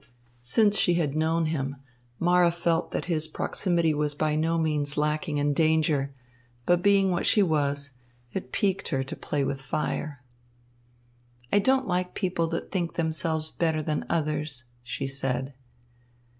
Since she had known him, Mara felt that his proximity was by no means lacking in danger; but being what she was, it piqued her to play with fire. "I don't like people that think themselves better than others," she said.